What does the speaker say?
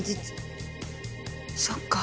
そっか。